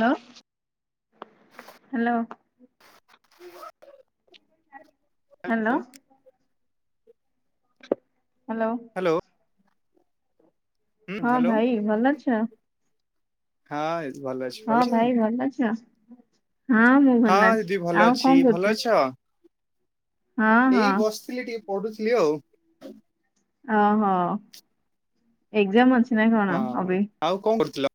Hello hello. [inaudible] Hello. Hello. Hello ହୁଁ ହଁ hello ଭାଇ ଭଲ ଅଛ। ହଁ ଭଲ ଅଛି ହଁ ଭଲ ଅଛ ଭାଇ ତମେ। ଅଛ? ହଁ ମୁଁ ଭଲ ହଁ ଅଛି ଦିଦି ଭଲ ଆଉ ଅଛି କଣ ଭଲ କରୁଛ। ଅଛ? ହଁ ଏଇ ହଁ ବସିଥିଲି ଟିକେ ପଢୁଥିଲି ଆଉ। ଓହୋ ଏକ୍ଜାମ ଅଛି ନା କଣ ହଁ ଅବେ? ଆଉ କଣ କରୁଥିଲ?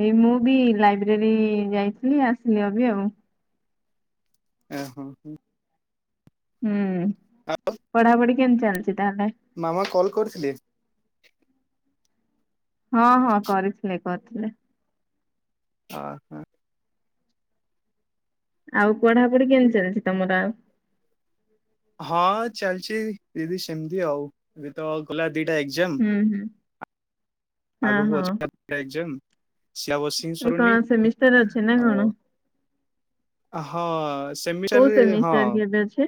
ଏଇ ମୁଁ ବି ଲାଇବ୍ରେରୀ ଯାଇଥିଲି ଆସିଲି ଅବି ଆଉ। ଓହୋ। ହୁଁ ପଢାପଢି କେମତି ଚାଲଛି। ମାମା କଲ୍ କରିଥିଲେ। ହଁ ହଁ କରିଥିଲେ କରିଥିଲେ। ଅ ହୋ। ଆଉ ପଢାପଢି କେମିତି ଚାଲିଛି ତମର ଆଉ। ହଁ ଚାଲିଛି ଦିଦି ସେମିତି ଆଉ ଏବେ ତ ଗଲା ଦିଟା ହୁଁ ହୁଁ ଏକ୍ଜାମ ହଁ ଆଗକୁ ହଁ ଅଛି ଟାଏକ୍ଜାମ। ଏ କଣ ସେମିଷ୍ଟାର ଅଛି ନା ଆଉ କଣ। ହଁ କୋଉ ସେମିଶ୍ଟାରରେ ହଁ। ସେମିଷ୍ଟାର କି ଏବେ ଅଛି?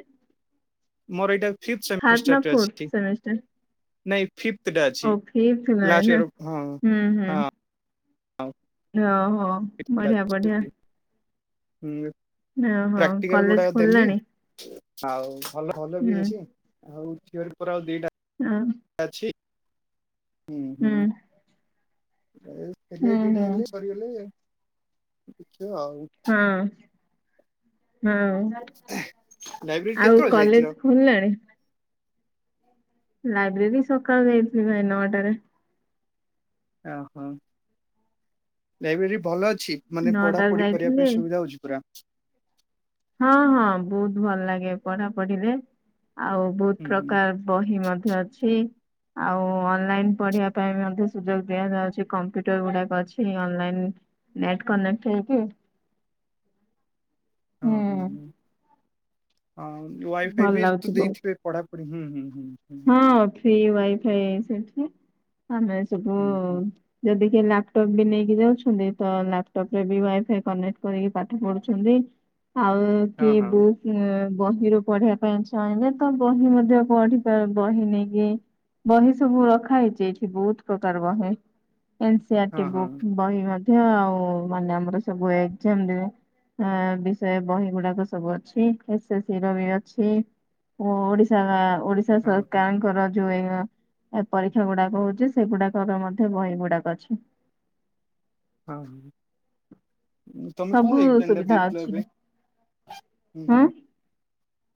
ମୋର ଏଇଟା ଫିଫ୍ଥ ଥାର୍ଡ ନା ସେମିଷ୍ଟାରଟେ ଫୋର୍ଥ ଅଛି ସେମିଷ୍ଟାର? ନାଇଁ କେତେଟା ଓ ଅଛି ଫିଫ୍ଥ ହେଲାଣି ଲାଷ୍ଟ ନା? ଇୟର ହଁ ହୁଁ ହଁ ହଁ। ଅହୋ ବଢିଆ ବଢିଆ। ହୁଁ ଓହୋ ପ୍ରାକ୍ଟିକାଲ ଗୁଡା କଲେଜ ଦେଲି। ଖୋଲିଲାଣି? ଆଉ ଭଲ ଭଲ ବି ହୁଁ ହେଇଛି ଆଉ ଝିଅର ପରା ଆଉ ଦିଟା ଅ ଅଛି। ହୁଁ ହୁଁ। ହେଲେ ହୁଁ ଦିଟା ହୁଁ ହେଲେ ସରିଗଲେ ଆଉ ହଁ। ହଁ ଲାଇବ୍ରେରୀ ଆଉ କେତେବେଳେ ଯାଇଥିଲ? କଲେଜ ଖୋଲିଲାଣି। ଲାଇବ୍ରେରୀ ସକାଳୁ ଯାଇଥିଲି ଭାଇ ନଅଟାରେ। ଓହୋ ଲାଇବ୍ରେରୀ ଭଲ ଅ ଛି ମାନେ ପଢା ନଅଟାରେ ପଢି କରିବା ଯାଇଥିଲି ପାଇଁ ସୁବିଧା ହଉଛି ପୁରା। ହଁ ହଁ ବହୁତ ଭଲ ଲାଗେ ପଢା ପଢିରେ। ଆଉ ବହୁତ ହୁଁ ହୁଁ ପ୍ରକାର ବହି ମଧ୍ୟ ଅଛି। ଆଉ ଅନଲାଇନ ପଢିବା ପାଇଁ ମଧ୍ୟ ସୁଯୋଗ ଦିଆଯାଉଛି କମ୍ପ୍ୟୁଟର ଗୁଡାକ ଅଛି ଅନଲାଇନ। ନେଟ କନେକ୍ଟ ହେଇକି। ହଁ ହଁ ହୁଁ। ହଁ ୱାଇଫାଇ ଭଲ ବି ଲାଗୁଛି ତ ବହୁତ। ଦେଇଥିବେ ପଢାପଢି ହୁଁ। ହୁଁ ହୁଁ ହୁଁ ହଁ ଫି ୱାଇଫାଇ ସେଠି ଆମେ ସବୁ ହୁଁ ହୁଁ। ଯଦି ଟିକେ ଲାପଟପ୍ ବି ନେଇକି ଯାଉଛନ୍ତି ତ ଲାପଟପ୍ ରେ ବି ୱାଇଫାଇ କନେକ୍ଟ କରିକି ପାଠ ପଢୁଛନ୍ତି। ଆଉ ହଁ କି ହଁ ବୁକ୍ ବହିରୁ ପଢିବା ପାଇଁ ଚାହିଁଲେେ ତ ବହି ମଧ୍ୟ ପଢି ବହି ନେଇକି ବହି ସବୁ ରଖା ହେଇଚ ଏଇଠି ବହୁତ ପ୍ରକାର ବହି। ଏ ହଁ ସଆରଟି ହଁ ବକ୍ ବହି ମଧ୍ୟ ଆଉ ମାନେ ଆମର ସବୁ ଏାମ ଦେ ହ ବିଷୟ ବହି ଗୁଡାକ ସବୁ ଅଛି ଏ ସ ର ବି ଅଛି। ଓ ଓଡିଶା ବା ଓଡିଶା ହଁ ହଁ ସରକାରଙ୍କର ଯୋଉ ପରୀକ୍ଷା ଗୁଡାକ ହଉଛି ସେଗୁଡାକର ମଧ୍ୟ ବହି ଗୁଡାକ ଅଛି। ହଁ ହଁ। ତମେ କହ ସବୁ ଏକ ପ୍େଣ୍ଡର ସୁବିଧା ଦେଇଥିଲିଲ ଅଛି ଏବେ ହୁଁ ହଁ ହୁଁ।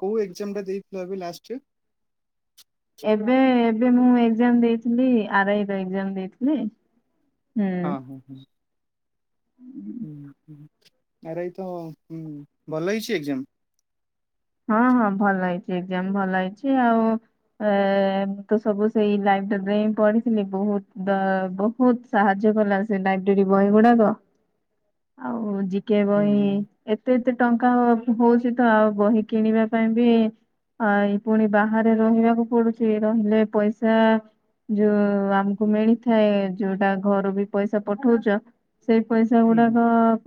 କୋଉ ଏକଜାମ୍ ଟା ଦେଇଥିଲ ଏବେ ଲାଷ୍ଟ। ଏବେ ଏବେ ମୁଁ ଏକଜାମ ଦେଇଥିଲି ଆରଆଇ ର ଏକଜାମ ଦେଇଥିଲି। ହୁଁ। ହଁ ହଁ ହଁ। ଆରେଇ ତଁ ଭଲ ହେଇଛି ଏକ୍ଜାମ। ହଁ ହଁ ଭଲ ହେଇଛି ଏକଜାମ ଭଲ ହେଇଛି ଆଉ ଏ ତ ସବୁ ସେଇ ପଢିଥିଲି ବହୁତ ବହୁତ ସାହାଯ୍ୟ କଲା ସେ ଲାଇବ୍ରେରୀ ବହି ଗୁଡାକ। ଆଉ ଜି କେ ହୁଁ ବହି ଏତେ ଏତେ ଟଙ୍କା ହଉଛି ତ ଆଉ ବହି କିଣିବା ପାଇଁ ବି ଆ ଏଇ ପୁଣି ବାହାରେ ରହିବାକୁ ପଡୁଛି ରହିଲେ ପଇସା ଯୋଉ ଆମକୁ ମିଳିଥାଏ, ଯୋଉଟା ଘରୁ ବି ପଇସା ପଠଉଛୁ। ସେଇ ପଇସା ହୁଁ ଗୁଡାକ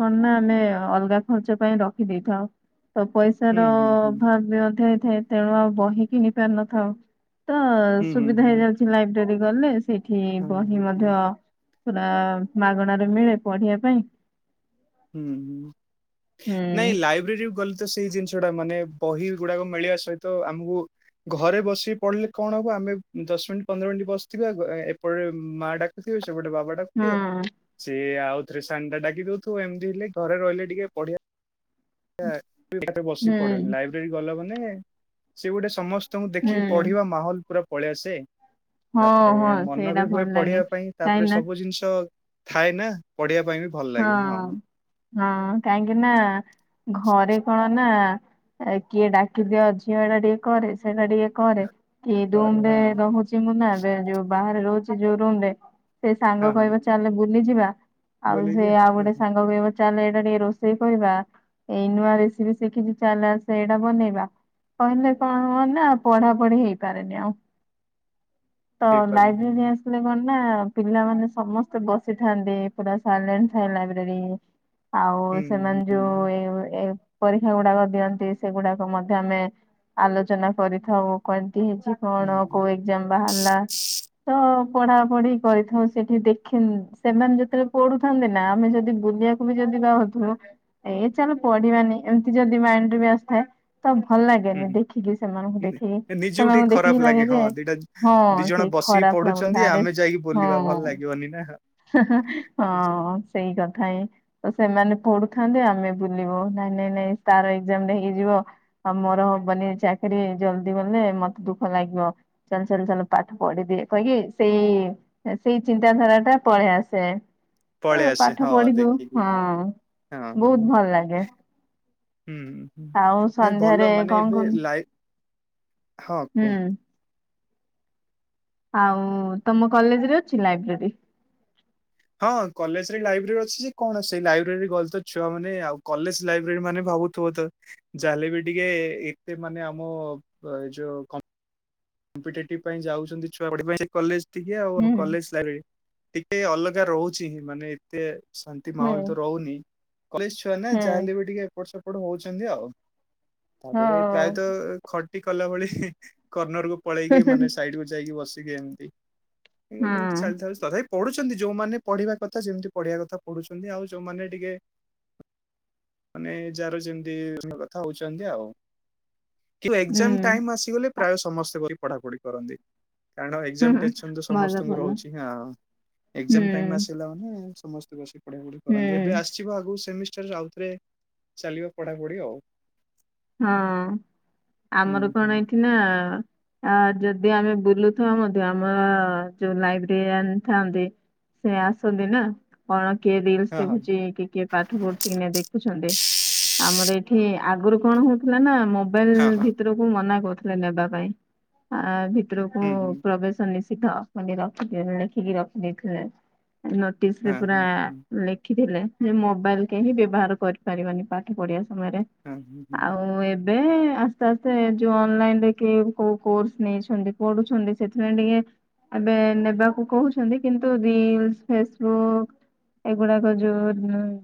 କଣ ନା ଆମେ ଅଲଗା ଖର୍ଚ୍ଚ ପାଇଁ ରଖି ଦେଇେଇଥାଉ, ତ ପଇସା ତ ହୁଁ ହୁଁ ହୁଁ ଅଭାବ ବି ଅଧ ହେଇଥାଏ ତେଣୁ ଆଉ ବହି କିଣି ପାରି ନଥାଉ। ତ ହୁଁ ହୁଁ ହୁଁ ସୁବିଧା ହୁଁ ହେଇଯାଉଛି ଲାଇବ୍ରେରୀ ଗଲେ ସେଇଠି ହଁ ବହି ହୁଁ ମଧ୍ୟ ପୁରା ମାଗଣାରେ ମିଳେ ପଢିବା ପାଇଁ। ହୁଁ ହୁଁ ହୁଁ ନାଇଁ ଲାଇବ୍ରେରୀରୁ ଗଲେ ତ ସେଇ ଜିନିଷ ମାନେ ବହି ଗୁଡାକ ମିଳିବା ସହିତ ଆମକୁ ଘରେ ବସିକି ପଢିଲେ କଣ ହବ ଆମେ ଦଶ ମିନିଟ୍ ପନ୍ଦର ମିନିଟ ବସିଥିବା ଏପଟରେ ମା ଡାକଥିବେ ସେ ସେପଟେ ଗୋଟେ ବାବାଟାକୁଏ ହୁଁ ସିଏ ଆଉ ଥରେ ସାନ ଡାକି ଦଉ ତୁ ଏମିତି ହେ ଘରେ ରହିଲେ ଟିକେ ପଢିଆ ବସି ହୁଁ ପଡୁନି ଲାଇବ୍ରେରୀ ଗଲା ମାନେ ସେ ଗୋଟେ ସମ ସ୍ତଙ୍କୁ ତମକୁ ଦେଖି ହୁଁ ପଢିବା ମାହୋଲ ପୁରା ପଳେଇ ଆସେ। ହଁ ତାପରେ ହଁ ମନ ସେଇଟା ବି ହୁଏ ଭଲ ଲାଗେ ପଢିବା ପାଇଁ, ତାପରେ କାହିଁକି ନା ସବୁ ଜିନିଷ ଥାଏ ନା ପଢିଆ ହଁ, ହଁ କାହିଁକି ନା ଘରେ କଣ ନା କିଏ ଡାକିଦିଅ ଝିଅ ଏଇଟା ଟିକେ କରେ ସେଇଟା ଟିକେ କରେ। କି ଥରେ ରୁମରେ ହଁ ରହୁଛି ମୁଁ ନା ଏବେ ଯୋଉ ବାହାରେ ରହୁଛି ଯୋଉ ରୁମରେ ସେ ସାଙ୍ଗ ହଁ ହଁ କହିବ ଚାଲେ ବୁଲିଯିବା ଆଉ ବୋଲିକି ସେ ଆଉ ଗୋଟେ ସାଙ୍ଗ କହିବ ଚାଲେ ଏଇଟା ଟିକେ ରୋଷେଇ କରିବା, ଏଇ ନୂଆ ରେସିପି ଶିଖିଛି ଚାଲଲେ ଆ ସେ ଏଇଟା ବନେଇବା। କହିଲେ କଣ ହବନା ପଢା ପଢି ହେଇପାରେନି ଆଉ। ତ ହେଇପାରିନି ଲାଇବ୍ରେରୀରେ ଆସିଲେ କଣ ନା ପିଲାମାନେ ସମସ୍ତେ ବସିଥାନ୍ତି ପୁରା ସାଇଲେଣ୍ଟ ଥାଏ ଲାଇବ୍ରେରୀ, ଆଉ ହୁଁ ସେମାନେ ହୁଁ ଯୋଉ ଏ ପରୀକ୍ଷା ଗୁଡାକ ଦିଅନ୍ତି ସେଗୁଡାକ ମଧ୍ୟ ଆମେ ଆଲୋଚନା କରିଥାଉ, କରି ହେଇଛି ହୁଁ କଣ ହୁଁ କୋଉ ଏକଜାମ ବାହାରିଲା ତ ପଢା ପଢି କରିଥାଉ ସେଠି ଦେଖିନି ସେମାନେ ଯେତେବେଳେ ପଢୁଥାନ୍ତି ନା ଆମେ ଯଦି ବୁଲିବାକୁ ବି ଯଦି ବହାରୁଥିବୁ ଏ ଚାଲ ପଢିବାନି ଏମିତି ଯଦି ମାଇଣ୍ଡ ରେ ବି ଆସିଥାଏ। ତ ଭଲ ଲାଗେନି ହୁଁ ଦେଖିକି ସେମାନଙ୍କୁ ହୁଁ। ଦେଖିକି ନିଜକୁ ସେମାନଙ୍କୁ ଟିକେ ଦେଖିକି ଖରାପ ଲାଗେ ଯେ ହଁ ଦିଟା ହଁ ଦି ଜଣ ସେଇ ବସିକି ଖରାପ ପଢୁଛନ୍ତି ଲାଗୁଥିଲା ଆରେ ଆମେ ଯାଇକି ହଁ ବୁଲିବା ଭଲ ଲାଗିବନି ନା। ହଁ ସେଇ କଥା ହଁ ତ ସେ ସେମାନେ ପଢୁଥାନ୍ତି ଆମେ ବୁଲିବ ନାଇଁ ନାଇଁ ନାଇଁ ତାର ଏକଜାମ୍ ହେଇଯିବ ଆଉ ମୋର ହବନି। ଚାକିରୀ ଜଲଦି ଗଲେ ମତେ ଦୁଃଖ ଲାଗିବ ଚାଲ ଚାଲ ଚାଲ ପାଠ ପଢିଦିଏ କହିକି ସେଇ ସେଇ ଚିନ୍ତାଧାରାଟା ପଳେଇ ଆସେ। ତ ପଳେଇ ଆସେ ପାଠ ହଁ ପଢିଦଉ। ଦେଖିକି ହଁ, ହଁ ବହୁତ ହଁ ଭଲ ଲାଗେ। ହୁଁ ହୁଁ। ଆଉ ନାଇଁ ଭଲ ସନ୍ଧ୍ୟାରେ ମାନେ ଏବେ କଣ [unintelligible] ଲାଇ ହଁ ହୁଁ କୁହ। ଆଉ ତମ କଲେଜରେ ଅଛି ଲାଇବ୍ରେରୀ। ହଁ କଲେଜରେ ଲାଇବ୍ରେରୀ ଅଛି ଯେ କଣ ସେଇ ଲାଇବ୍ରେରୀରେ ଗଲ ତ ଛୁଆମାନେ ଆଉ କଲେଜ ଲାଇବ୍ରେରୀ ମାନେ ଭଲ ଭାବୁଥିବ ତ ଚାଲିବି ଟିକେ ଏତେ ମାନେ ଆମ ଏ ଯୋଉ କ କମ୍ପିଟେଟିଭ ପାଇଁ ଯାଉଛନ୍ତି ଛୁଆ ଗୁଡ଼ିକ କଲେଜ ଟିକେ ହୁଁ ଆଉ କଲେଜ ଲାଇବ୍ରେରୀ। ଟିକେ ଅଲଗା ରହୁଛି ମାନେ ଏତେ ଶାନ୍ତି ହୁଁ ମାହୋଲ ତ ରହୁନି। କଲେଜ ଛୁଆ ନା ଯାହା ହୁଁ ହେଲେ ବି ଟିକେ ଏପଟ ସେପଟ ହଉଛନ୍ତି ଆଉ। ହଁ ତାପରେ ପ୍ରାୟତଃ ଖଟି କଲା ଭଳି କନର କୁ ପଳେଇକି ମାନେ ସାଇଡ କୁ ଯାଇକି ବସିକି ଏମିତି ହଁ ଚାଲିଥାଏ। ତଥାପି ପଢୁଛନ୍ତି ଯୋଉମାନେ ପଢିବା କଥା ଯେମିତି ପଢିବା କଥା ପଢୁଛନ୍ତି। ଆଉ ଯୋଉମାନେ ଟିକେ ମାନେ ଯାହାର ଯେମିତି କଥା ହଉଛନ୍ତି ଆଉ। କି ଏକ୍ସାମ ହୁଁ। ଟାଇମ ଆସିଗଲେ ପ୍ରାୟ ସମସ୍ତେ ବହି ପଢାପଢି କରନ୍ତି। କାରଣ ହୁଁ ଏକ୍ସାମ ହୁଁ ଟେନସନ ତ ଭଲ ସମସ୍ତଙ୍କୁ ଭଲ ରହୁଛି ହଁ ହୁଁ ଏକ୍ସାମ ଟାଇମ ଆସିଲା ମାନେ ସମସ୍ତ ବସି ପଢା ପଢିପଢି ହୁଁ କରନ୍ତି। ଏବେ ଆସିଯିବ ଆଗକୁ ସେମି ଆଉଥରେ ଚାଲିବ ପଢାପଢି ଆଉ। ହଁ ହୁଁ ଆମର କଣ ହୁଁ ଏଇଠି ନା ଆ ଯଦି ଆମେ ବୁଲୁଥାଉ ମଧ୍ୟ ଆମର ଯୋଉ ଲାଇବ୍ରେରିଆନ୍ ଥାଆନ୍ତି ସେ ଆସନ୍ତି ନା କଣ କିଏ ରିଲ୍ସ ହଁ ହଁ ଦେଖୁଛି କି କିଏ ପାଠ ପଢୁଛି କି ନା ଦେଖୁଛନ୍ତି। ଆମର ଏଠି ଆଗରୁ କଣ ହଉଥିଲା ନା ମୋବାଇଲ ହଁ ହଁ ଭିତରକୁ ମନା କରୁଥିଲେ ନେବା ପାଇଁ। ଆ ଚିତ୍ରକୁ ହୁଁ ହୁଁ। ପ୍ରବେଶ ନିଷିଦ୍ଧ ମାନେ ରଖିଥିଲେ ଲେଖିକି ରଖିଦେଇଥିଲେ। ନୋଟିସ ରେ ହଁ ପୁରା ହଁ ହଁ ଲେଖିଥିଲେ। ମୋବାଇଲ କେହିଁ ବ୍ୟବହାର କରିପାରିବନି ପାଠ ପଢିବା ସମୟରେ। ହଁ ହଁ ହୁଁ ଆଉ। [unintelligible] ଆସ୍ତେ ଆସ୍ତେ ଯୋଉ ଅନଲାଇନ ରେ କି କୋଉ କୋର୍ସ ନେଇଛନ୍ତି ପଢୁଛନ୍ତି ସେଥିଲାଗି ଟିକେ ଏବେ ନେବାକୁ କହୁଛନ୍ତି କିନ୍ତୁ ରିଲ, ଫେସବୁକ୍ ଏଗୁଡାକ ଯୋଉ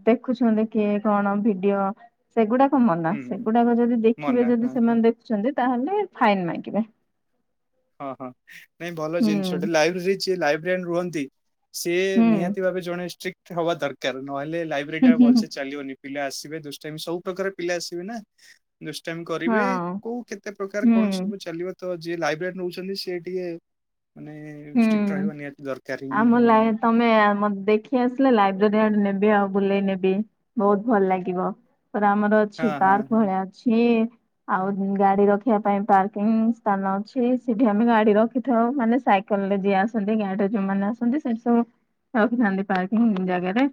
ଦେଖୁଛନ୍ତି କିଏ କଣ ଭିଡିଓ ସେଗୁଡାକ ମନା ହୁଁ ସେଗୁଡାକ ଯଦି ଦେଖିବେ ମନା ଯଦି ହଁ ହଁ। ସେମାନେ ଦେଖୁଛନ୍ତି ତାହେଲେ ଫାଇନ୍ ମାଗିବେ। ହଁ ହଁ ନାଇଁ ଭଲ ହୁଁ ଜିନିଷଟେ ଲାଇବ୍ରେରୀ ଲାଇବ୍ରେରନ ରୁହନ୍ତି। ସିଏ ହୁଁ ନିହାତି ଭାବେ ଜଣେ ଷ୍ଟ୍ରିଟ ହବା ଦରକାର ନହେଲେ ଲାଇବ୍ରେରୀ ଟା ଭଲସେ ଚାଲିବନି। ପିଲା ଆସିବେ ଦୁଷ୍ଟାଇମ ସବୁ ପ୍ରକାର ପିଲା ଆସିବେ ନା। ଦୁଷ୍ଟାମି କରିବେ ହଁ କେତେ ପ୍ରକାର କଣ ହୁଁ ସବୁ ଚାଲିବ ତ ଯିଏ ଲାଇବ୍ରେରୀ ନେଉଛନ୍ତି ସିଏ ଟିକେ ମାନେ ଷ୍ଟ୍ରିକ୍ଟ ହୁଁ ରହିବା ନିହାତି ଦରକାର ହିଁ ଆମ ହଁ ଲାଇ ତମେ ମତେ ଦେଖି ଆସିଲେ ଲାଇବ୍ରେରୀ ଆଡେ ନେବି ଆଉ। ବୁଲେଇ ନେବି ବହୁତ ଭଲ ଲାଗିବ ପା ଆମର ହଁ ଅଛି ହଁ ପାର୍କ ହଁ ଭଳିଆ ଅଛି। ଆଉ ଗାଡି ରଖିବା ପାଇଁ ପାର୍କିଂ ସ୍ଥାନ ଅଛି ସେଠି ଆମେ ଗାଡି ରଖିଥାଉ ମାନେ ସାଇ ଯିଏ ଆସନ୍ତି ଗାଡିରେ ଯୋଉମାନେ ଆସନ୍ତି ସେଠି ସବୁ ରଖିଥାନ୍ତି ପାର୍କିଂ ଜାଗାରେ।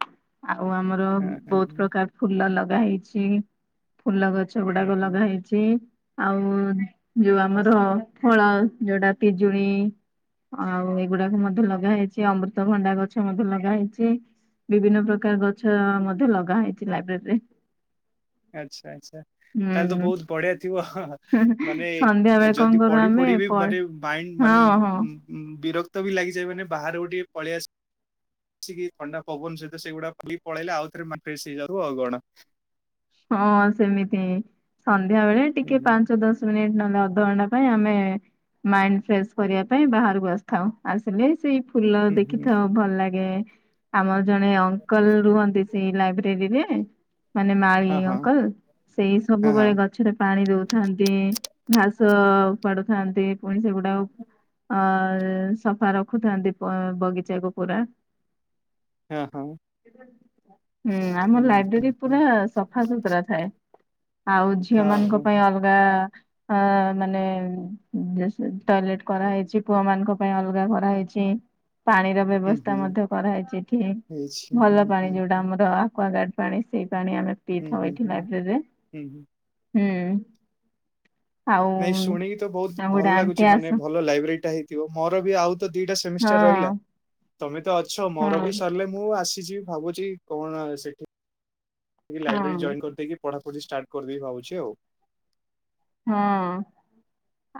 ଆଉ ଆମର ହଁ ହଁ ବହୁତ ହଁ ପ୍ରକାର ଫୁଲ ଲଗା ହେଇଛି। ଫୁଲ ଗଛ ହଁ ଗୁଡାକ ହଁ ଲଗା ହେଇଛି। ଆଉ ଯୋଉ ଆମର ଫଳ ଯୋଉଟା ପିଜୁଳି ଆଉ ଏଇଗୁଡାକୁ ମଧ୍ୟ ଲଗା ହେେଇଛି ଅମୃତଭଣ୍ଡା ଗଛ ମଧ୍ୟ ଲଗା ହେଇଛି। ବିଭିନ୍ନ ପ୍ରକାର ଗଛ ମଧ୍ୟ ଲଗା ହେଇଛି ଲାଇବ୍ରେରୀରେ। ଆଚ୍ଛା ଆଚ୍ଛା ତାହେଲେ ତ ହୁଁ ବହୁତ ବଢିଆ ଥିବ ମାନେ ସନ୍ଧ୍ୟା ବେଳେ କଣ ଯଦି କରୁ ପଢି ଆମେ ପଢିିବେ? ପ ମାନେ ମାଇଣ୍ଡ ମାନେ ହଁ ହଁ ବିରକ୍ତ ବି ଲାଗିଯଏ ମାନେ ବାହାରକୁ ଟିକେ ପଳେଇ ଆସେ ବସିକି ଥଣ୍ଡା ପବନ ସହିତ ସେଗୁଡା ପଳେଇଲେ ଆଉଥରେ ଫ୍ରେଶ ହେଇଯାଉ ଆଉ କଣ। ହଁ ସେମିତି ସନ୍ଧ୍ୟା ବେଳେ ହୁଁ ଟିକେ ହୁଁ ପାଞ୍ଚ ଦଶ ମିନିଟ ନହେଲେ ଅଧଘଣ୍ଟା ପାଇଁ ଆମେ ମାଇଣ୍ଡ ଫ୍ରେଶ କରିବା ପାଇଁ ବାହାରକୁ ଆସିଥାଉ, ଆସିଲେ ସେଇ ଫୁଲ ହୁଁ ହୁଁ ଦେଖିଥାଉ ଭଲ ଲାଗେ ଆମ ଜଣେ ଅଙ୍କଲ ରୁହନ୍ତି ସେଇ ଲାଇବ୍ରେରୀରେ ମାନେ ମା ହଁ ହଁ ଅଙ୍କଲ ସେଇ ହଁ ସବୁବେଳେ ଗଛରେ ପାଣି ଦଉଥାନ୍ତି। ଘାସ ଥାନ୍ତି ପୁଣି ସେଗୁଡା ଅ ସଫା ରଖୁଥାନ୍ତି ବଗିଚାକୁ ପୁରା। ହଁ ହଁ ହଁ ହୁଁ ଆମ ହୁଁ ଲାଇବ୍ରେରୀ ହୁଁ ପୁରା ସଫା ସୁତୁରା ଥାଏ, ଆଉ ଝିଅ ହଁ ମାନଙ୍କ ହଁ ପାଇଁ ହଁ। ଅଲଗା ମାନେ ଟଏଲେଟ କରାହେଇଛି ପୁଅ ମାନଙ୍କ ପାଇଁ ଅଲଗା କରାହେଇଛି ଚି [inaudible] ପାଣିର ହୁଁ ବ୍ୟବସ୍ଥା ହୁଁ ମଧ୍ୟ କରାହେଇଛି ଏଠିକ ହେଇଛି ହୁଁ ଭଲ ପାଣି ହୁଁ ଯୋଉଟା ହୁଁ ଆମର ଏକ୍ୱାଗାଡ ପାଣି ସେଇ ପାଣି ଆମେ ହୁଁ ପିଇଥାଉ ହୁଁ ଏଇଠି ହୁଁ ଲାଇବ୍ରେରୀରେ ହୁଁ ହୁଁ। ହୁଁ। ଆଉ ନାଇଁ ଶୁଣିକି ତ ଆଉ ବହୁତ ଗୋଟେ ଭଲ ଆଣ୍ଟି ଲାଗୁଛି ଆସ ମାନେ ଭଲ ଲାଇବ୍ରେରୀ ଟା ହେଇଥିବ ମୋର ବି ଆଉ ତ ଦିଟା ସେମିଷ୍ଟାର ର ହଁ। ତମେ ତ ଅଛ ହଁ ମୋର ବି ସରିଲେ ମୁଁ ଆସିଛି ଭାବୁଛି କଣ ସେଠି? ଟିକ ହଁ ଲାଇବ୍ରେରୀ ଜଏନ୍ କରିଦକି ପଢ଼ାପଢି ଷ୍ଟାର୍ଟ କରିଦି ଭାବୁଛି ଆଉ। ହଁ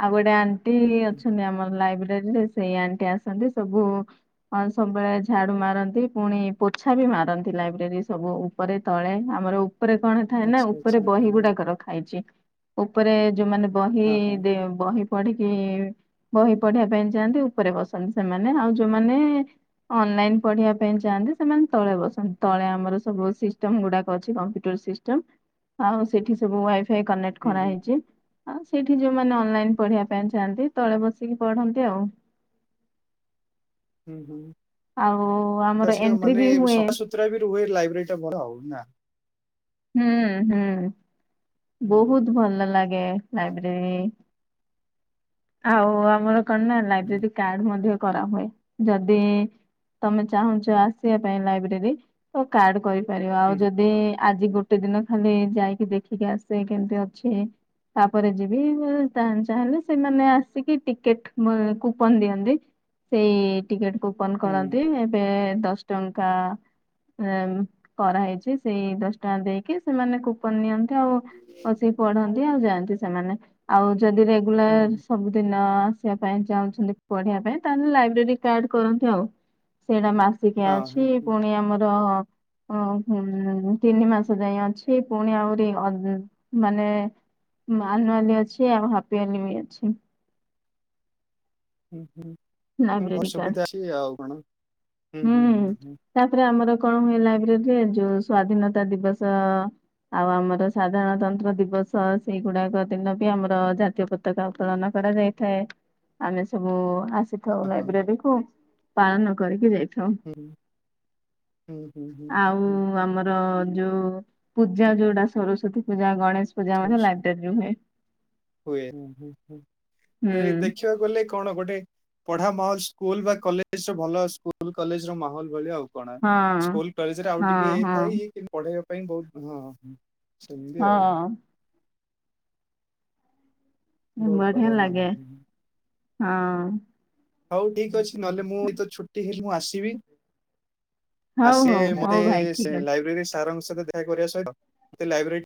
ଆଉ ଗୋଟେ ଆଣ୍ଟି ଅଛନ୍ତି ଆମର ଲାଇବ୍ରେରୀ ସେଇ ଆଣ୍ଟି ଆସନ୍ତି ସବୁ ସବୁବେଳେ ଝାଡୁ ମାରନ୍ତି ପୁଣି ପୋଛା ବି ମାରନ୍ତି ଲାଇବ୍ରେରୀ ସବୁ ଉପରେ ତଳେ ଆମର ଉପରେ କଣ ଥାଏ ନା ଆଚ୍ଛା ଉପରେ ଆଚ୍ଛା ହୁଁ ବହି ହୁଁ ଗୁଡାକ ର ଖାଇଛି ଉପରେ ଯୋଉମାନେ ବହି ହଁ ହଁ ଦେ ବହି ପଢିକି ବହି ପଢିବା ପାଇଁ ଯାଆନ୍ତି ଉପରେ ବସନ୍ତି ସେମାନେ ଆଉ ଯୋଉମାନେ ଅନଲାଇନ ପଢିବା ପାଇଁ ଚାଆନ୍ତି ସେମାନେ ତଳେ ବସନ୍ତି ତଳେ ଆମର ସବୁ ସିଷ୍ଟମ ଗୁଡାକ ଅଛି କମ୍ପ୍ୟୁଟର ସିଷ୍ଟମ ଆଉ ସେଠି ସବୁ ୱାଇଫାଇ କନେକ୍ଟ ହୁଁ ହୁଁ କରାହେଇଚି। ଆଉ ସେଇଠି ଯୋଉମାନେ ଅନଲାଇନ ପଢିବା ପାଇଁ ଚାନ୍ତି ତଳେ ବସିକି ପଢନ୍ତି ଆଉ [unintelligible] ହୁଁ ହୁଁ। ଆଉ ତା ଆମର ସ ଏଣ୍ଟ୍ରି ମାନେ ବି ହୁଏ ସଫାସତୁରା ବି ରୁହେ ଲାଇବ୍ରେରୀ ଟା ଭଲ ହଉ ନା ହୁଁ ହୁଁ ହୁଁ ହୁଁ ବହୁତ ଭଲ ଲାଗେ ଲାଇବ୍ରେରୀ। ଆଉ ଆମର କଣ ନା ହୁଁ ଲାଇବ୍ରେରୀ କାର୍ଡ ମଧ୍ୟ କରା ହୁଏ ଯଦି ତମେ ଚାହୁଁଛ ଆସିବା ପାଇଁ ଲାଇବ୍ରେରୀ ତ କାର୍ଡ କରିପାରିବ ଆଉ ହୁଁ ଯଦି ଆଜି ଗୋଟେ ଦିନ ଖାଲି ଯାଇକି ଦେଖିକି ଆସେ କେମତି ଅଛି? ତାପରେ ଯିବି ଚାହିଁଲେ ସେମାନେ ଆସିକି ଟିକେଟ କୁପନ ଦିଅନ୍ତି ସେଇ ଟିକେଟ କ ଓପନ ହୁଁ କରନ୍ତି ଏବେ ଦଶ ଟଙ୍କା କରାହେଇଛି ସେଇ ଦ ଟଙ୍କା ଦେଇକି ସେମାନେ କୁପନ ନିଅନ୍ତି ଆଉ ବସିକି ପଢନ୍ତି ଆଉ ଯାଆନ୍ତି ସେମାନେ ଆଉ। ଯଦି ହୁଁ ରେଗୁଲାର ହୁଁ ହୁଁ ସବୁଦିନ ଆସିବା ପାଇଁ ଯାଉ ପଢିବା ପାଇଁ ତାଲେ ଲାଇବ୍ରେରୀ କାର୍ଡ କରନ୍ତି ଆଉ ସେଟା ଆସିକି ହଁ ଅଛି ହୁଁ ହୁଁ ପୁଣି ଆମର ହଁ। ତିନି ମାସ ଯାଇଏ ଅଛି ପୁଣି ଆହୁରି ମାନେ ମାନାଲି ଅଛି ଆଉ ହାପିଏଲି ବି ଅଛି। ହଁ ହଁ ବହୁତ ଲାଇବ୍ରେରୀ କାର୍ଡ ସୁବିଧା ଅଛି ଆଉ କଣ ହୁଁ ହ ହ। ତାପରେ ଆମର କଣ ହୁଏ ଲାଇବ୍ରେରୀ ରେ ଯୋଉ ସ୍ଵାଧୀନତା ଦିବସ ଆଉ ଆମର ସାଧାରଣତନ୍ତ୍ର ଦିବସ ସେଇଗୁଡାକ ଦିନ ବି ଆମର ଜାତୀୟ ପତାକା ଉତ୍ତୋଳନ କରାଯାଇଥାଏ। ଆମେ ସବୁ ଆସିଥାଉ ହଁ। ଲାଇବ୍ରେରୀକୁୁ ପାଳନ କରିକି ଯାଇ ହଉ ହଁ ହୁଁ ହୁଁ ହୁଁ ହୁଁ ହୁଁ ଆଉ ହୁଁ ଆମର। ଯୋଉ ପୂଜା ଯୋଉଟା ସରସ୍ଵତୀ ପୂଜା ଗଣେଶ ପୂଜା ମଧ୍ୟ ଲାଇବ୍ରେରୀ ରେ ହୁଏ। ହୁଏ ହୁଁ ଦେଖିବାକୁ ଗଲେ କଣ ଗୋଟେ ପ ହ ମହଲ ସ୍କୁଲ ବା କଲେଜ ର ଭଲ ସ୍କୁଲ କଲେଜ ର ମାହୋଲ ଭଳିଆ ଆଉ। କଣ ହଁ ସ୍କୁଲ କଲେଜ ରେ ଆଉ ହଁ ଟିକେ ଏଥାଏ। ହଁ କି ପଢେଇବା ପାଇଁ ବହୁତ ହଁ। ସେମିତି ଆଉ। ହଁ ବହୁତ ବଢିଆ ହଁ ହଁ। ହଁ। ହଉ ଠିକ ଅଛି! ନହେଲେ ମୁଁ ତ ଛୁଟି ହେଲି ମୁଁ ଆସିବି। ହଉ ଆସେ ହଉ ମତେ ହଉ ଭାଇ ସେ ଠିକ ଅଛି। ଲାଇବ୍ରେରୀ ସାରଙ୍କ ସହିତ ଦେଖା କରିବା ସହିତ ମତେ ଲାଇବ୍ରେରୀ